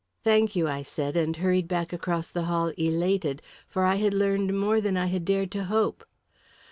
"Thank you," I said, and hurried back across the hall elated, for I had learned more than I had dared to hope.